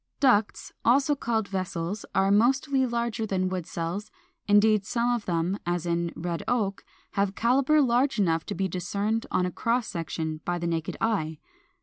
] 413. =Ducts=, also called VESSELS, are mostly larger than wood cells: indeed, some of them, as in Red Oak, have calibre large enough to be discerned on a cross section by the naked eye.